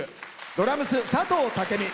ドラムス、佐藤武美。